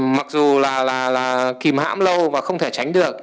mặc dù là kìm hãm lâu và không thể tránh được